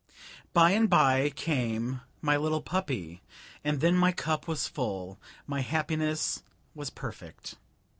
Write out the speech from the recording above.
By and by came my little puppy, and then my cup was full, my happiness was perfect.